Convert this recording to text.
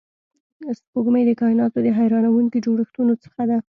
سپوږمۍ د کایناتو د حیرانونکو جوړښتونو څخه ده